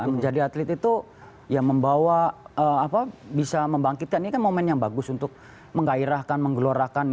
menjadi atlet itu bisa membangkitkan ini kan momen yang bagus untuk menggairahkan menggelorakan